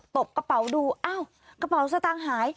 บกระเป๋าดูอ้าวกระเป๋าสตางค์หาย